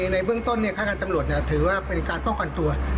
ในเบื้องต้นฆาการตำรวจถือว่าเป็นการป้องกันตัว